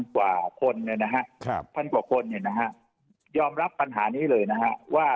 ๑๐๐๐กว่าคนนะคะยอมรับปัญหานี้เลยว่า